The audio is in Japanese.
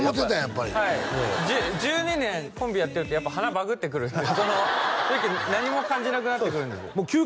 やっぱりはい１２年コンビやってるとやっぱ鼻バグってくる何も感じなくなってくるんですそうです